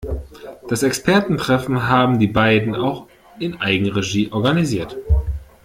Das Expertentreffen haben die beiden auch in Eigenregie organisiert.